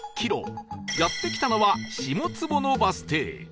やって来たのは下坪野バス停